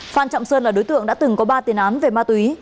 phan trọng sơn là đối tượng đã từng có ba tiền án về ma túy